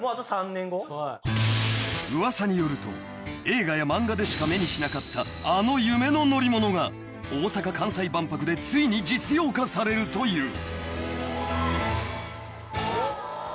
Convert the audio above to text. ［映画や漫画でしか目にしなかったあの夢の乗り物が大阪・関西万博でついに実用化されるという！］